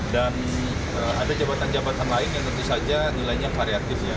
dan ada jabatan jabatan lain yang tentu saja nilainya variatif ya